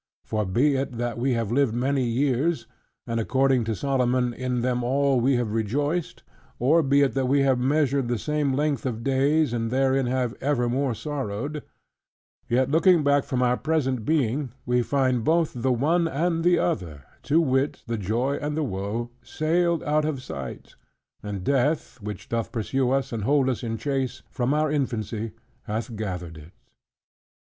For be it that we have lived many years, "and (according to Solomon) in them all we have rejoiced;" or be it that we have measured the same length of days and therein have evermore sorrowed: yet looking back from our present being, we find both the one and the other, to wit, the joy and the woe, sailed out of sight; and death, which doth pursue us and hold us in chase, from our infancy, hath gathered it.